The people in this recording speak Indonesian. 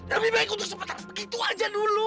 tapi baik untuk sempetan begitu aja dulu